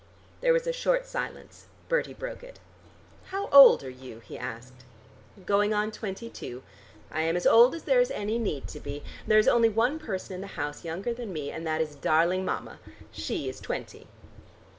There was a short silence. Bertie broke it. "How old are you?" he asked. "Going on twenty two. I am as old as there is any need to be. There is only one person in the house younger than me, and that is darling Mama. She is twenty."